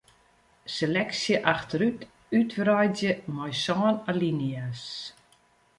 Seleksje achterút útwreidzje mei sân alinea's.